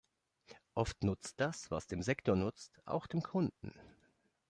Oft nutzt das, was dem Sektor nutzt, auch dem Kunden.